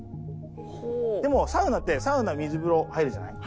でもサウナってサウナ水風呂入るじゃない。